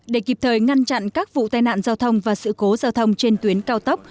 để kịp thời ngăn chặn các vụ tai nạn giao thông và sự cố giao thông trên tuyến cao tốc